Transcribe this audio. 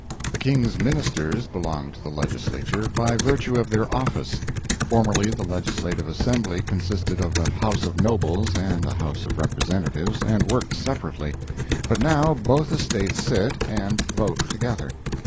The King's Ministers belong to the Legislature by virtue of their office. Formerly the Legislative Assembly consisted of a House of Nobles and a House of Representatives, and worked separately, but now both estates sit and vote together.